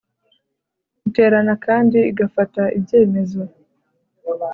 Iterana kandi igafata ibyemezo